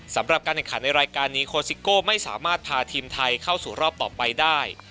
สำหรับการแข่งขันในรายการนี้โคซิโก้ไม่สามารถพาทีมไทยเข้าสู่รอบต่อไปได้